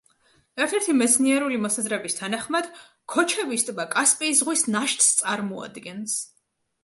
ერთ-ერთი მეცნიერული მოსაზრების თანახმად, ქოჩების ტბა კასპიის ზღვის ნაშთს წარმოადგენს.